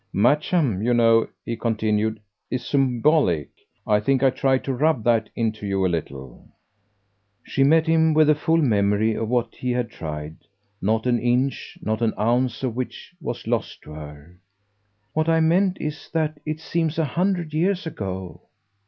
Matcham, you know," he continued, "is symbolic. I think I tried to rub that into you a little." She met him with the full memory of what he had tried not an inch, not an ounce of which was lost to her. "What I meant is that it seems a hundred years ago."